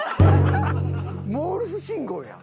モールス信号やん。